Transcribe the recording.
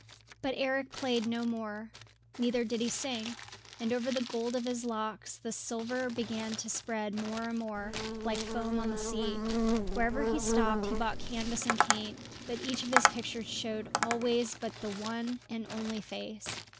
But Eric played no more, neither did he sing; and over the gold of his locks the silver began to spread more and more, like foam on the sea. Wherever he stopped he bought canvas and paint, but each of his pictures showed always but the one and only face.